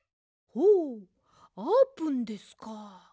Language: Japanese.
ほうあーぷんですか！